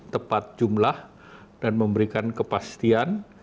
tepat jumlah dan memberikan kepastian